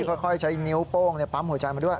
ค่อยใช้นิ้วโป้งปั๊มหัวใจมาด้วย